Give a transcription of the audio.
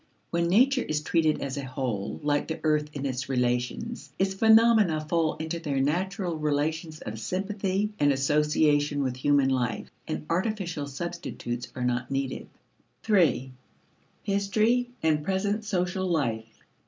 When nature is treated as a whole, like the earth in its relations, its phenomena fall into their natural relations of sympathy and association with human life, and artificial substitutes are not needed. 3. History and Present Social Life.